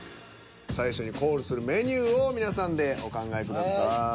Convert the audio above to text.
最初にコールするメニューを皆さんでお考えください。